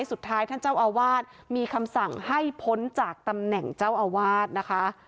ท่านเจ้าอาวาสมีคำสั่งให้พ้นจากตำแหน่งเจ้าอาวาสนะคะ